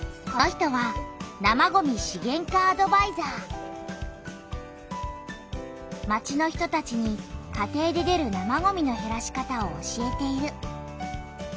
この人は町の人たちに家庭で出る生ごみのへらし方を教えている。